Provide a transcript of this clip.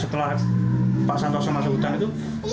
setelah pak santoso masuk hutan itu